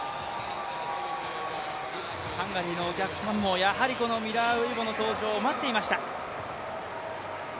ハンガリーのお客さんもやはり、このミラーウイボ選手の登場を待っていました。